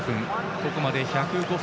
ここまで１０５分